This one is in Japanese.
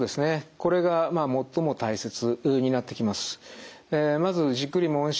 これが最も大切になってきます。